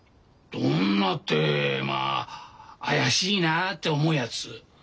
どんなってまあ怪しいなって思うやつ。